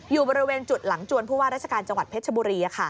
อยู่บริเวณจุดหลังจวนผู้ว่าราชการจังหวัดเพชรชบุรี